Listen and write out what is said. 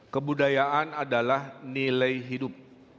kebudayaan adalah nilai hidup